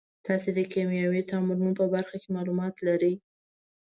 تاسې د کیمیاوي تعاملونو په برخه کې معلومات لرئ.